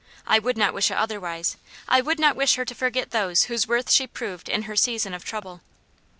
"I would not wish it otherwise I would not wish her to forget those whose worth she proved in her season of trouble."